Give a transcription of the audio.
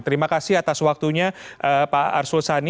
terima kasih atas waktunya pak arsul sani